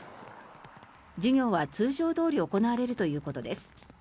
授業は通常どおり行われるということです。